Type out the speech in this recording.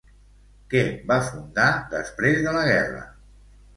Què va fundar després de la guerra?